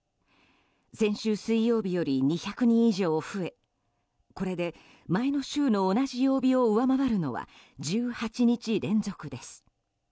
先週水曜日より２００人以上増えこれで前の週の同じ曜日を上回るのは、１８日連続です。